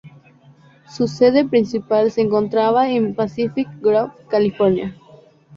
Su sede principal se encontraba en Pacific Grove, California.